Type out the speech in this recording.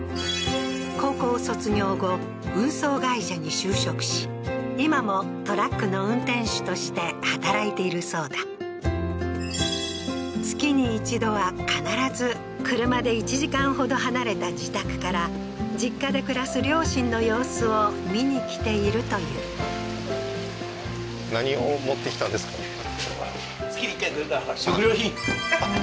高校卒業後運送会社に就職し今もトラックの運転手として働いているそうだ月に一度は必ず車で１時間ほど離れた自宅から実家で暮らす両親の様子を見に来ているという食料品？